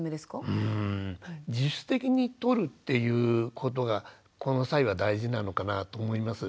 うん自主的にとるっていうことがこの際は大事なのかなと思います。